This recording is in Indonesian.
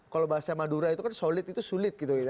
kalau bahasa madura itu kan solid itu sulit gitu